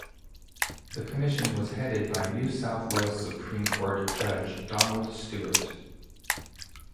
The Commission was headed by New South Wales Supreme Court Judge Donald Stewart.